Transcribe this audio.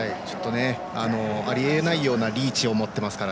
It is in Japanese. ありえないようなリーチを持っていますから。